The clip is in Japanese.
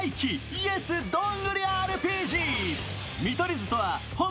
ＹｅｓどんぐりＲＰＧ。